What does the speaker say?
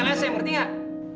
saya ngerti gak